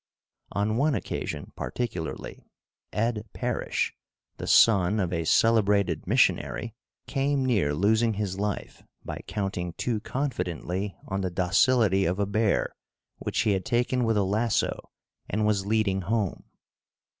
On one occasion particularly, Ed Parish, the son of a celebrated missionary, came near losing his life by counting too confidently on the docility of a bear which he had taken with a lasso and was leading home.